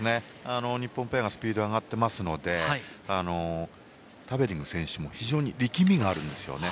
日本ペアのスピードが上がっていますのでタベリング選手も非常に力みがあるんですね。